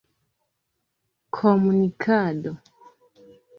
komunikado